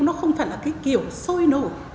nó không phải là cái kiểu sôi nổi